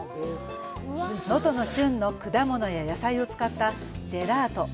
能登の旬の果物や野菜を使ったジェラート。